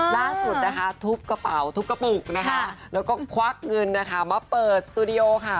ล่าสุดทุบกระเป๋าทุบกระปุกแล้วก็ควักเงินมาเปิดสตูดิโอค่ะ